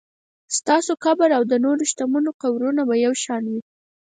ستاسو قبر او د نورو شتمنو قبرونه به یو شان وي.